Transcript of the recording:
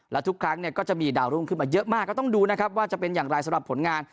และทุกครั้งเนี่ยก็จะมีดาวรุ่งขึ้นมาเยอะมากก็ต้องดูนะครับว่าจะเป็นอย่างไรสำหรับผลงาน